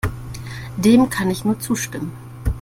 Dem kann ich nur zustimmen.